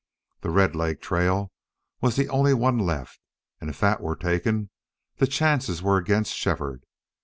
The Red Lake trail was the only one left, and if that were taken the chances were against Shefford.